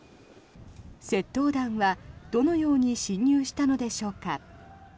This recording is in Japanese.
窃盗団はどのように侵入したのでしょうか。